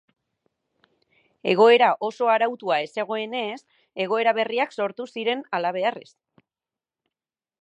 Egoera oso arautua ez zegoenez, egoera berriak sortu ziren, halabeharrez.